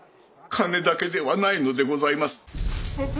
金だけではないのでございます。